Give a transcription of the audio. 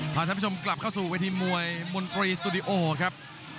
ท่านผู้ชมกลับเข้าสู่เวทีมวยมนตรีสตูดิโอครับ